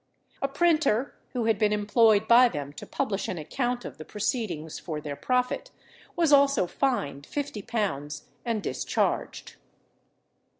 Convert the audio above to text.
A printer, who had been employed by them to publish an account of the proceedings for their profit, was also fined fifty pounds, and discharged.